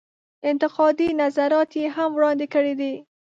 انتقادي نظرات یې هم وړاندې کړي دي.